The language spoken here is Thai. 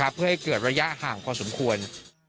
เพื่อให้เกิดระยะห่างพอสมควร